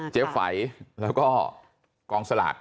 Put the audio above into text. เจฟไฟแล้วก็กองสลัก